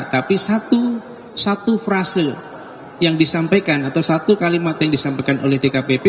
tapi satu frase yang disampaikan atau satu kalimat yang disampaikan oleh dkpp